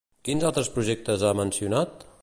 Quins altres projectes ha mencionat?